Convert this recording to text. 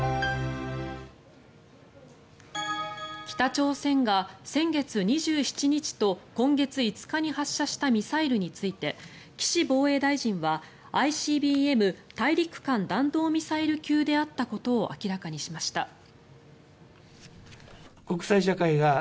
北朝鮮が先月２７日と今月５日に発射したミサイルについて岸防衛大臣はＩＣＢＭ・大陸間弾道ミサイル級であったことを明らかにしました。